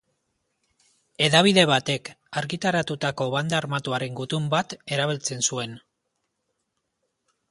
Hedabide batek argitaratutako banda armatuaren gutun bat erabiltzen zuen.